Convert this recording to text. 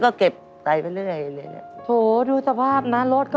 แต่ฉันไม่งานแต่เข้างาน